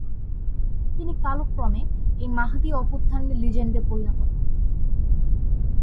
তিনি কালক্রমে এই মাহদি অভ্যুত্থানের লিজেণ্ডে পরিনত হন।